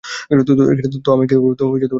তো আমি কী করব?